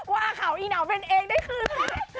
ว่าเขาอีเหนาเป็นเองได้คืน